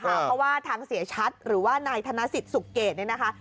เพราะว่าทางเสียชัดหรือว่านายธนสิทธิ์สุขเกตเนี่ยนะคะ